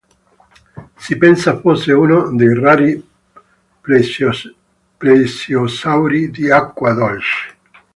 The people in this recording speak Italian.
Si pensa fosse uno dei rari plesiosauri di acqua dolce.